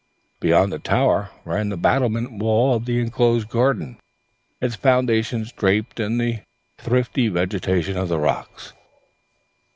Beyond the tower ran the battlemented wall of the enclosed garden, its foundations draped in the thrifty vegetation of the rocks.